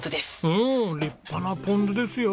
うん立派なポン酢ですよ。